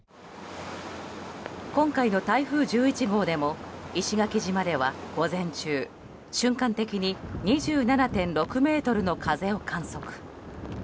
今回の台風１１号でも石垣島では午前中、瞬間的に２７．６メートルの風を観測。